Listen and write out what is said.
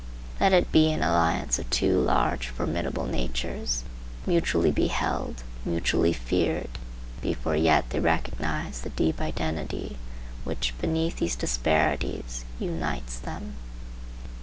Let it be an alliance of two large, formidable natures, mutually beheld, mutually feared, before yet they recognize the deep identity which, beneath these disparities, unites them.